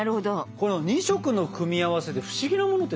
この２色の組み合わせでフシギなものって何かあるっけ？